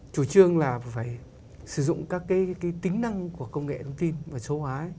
chủ trương là phải sử dụng các cái tính năng của công nghệ thông tin và số hóa